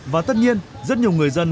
và tất nhiên rất nhiều người dân